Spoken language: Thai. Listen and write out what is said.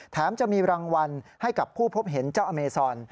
จะมีรางวัลให้กับผู้พบเห็นเจ้าอเมซอน